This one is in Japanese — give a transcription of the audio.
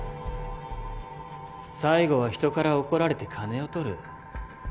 最後は人から怒られて金をとる？